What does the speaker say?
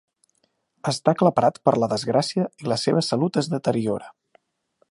Està aclaparat per la desgràcia i la seva salut es deteriora.